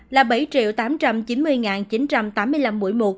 là bảy tám trăm chín mươi chín trăm tám mươi năm mũi một